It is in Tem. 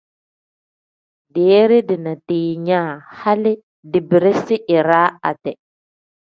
Deere dina diinyaa hali dibirisi iraa ade.